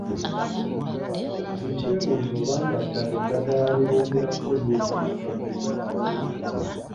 Nkyebuuza oba nga ddala eddagala lye boogerako liwonya ekirwadde kya Corona.